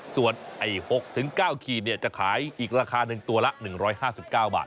ส่วน๖๙ขีดจะขายอีกราคา๑ตัวละ๑๕๙บาท